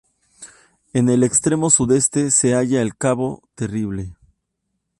En el extremo sudeste se halla el cabo Terrible.